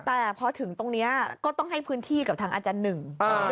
แต่พอถึงตรงนี้ก็ต้องให้พื้นที่กับทางอาจารย์หนึ่ง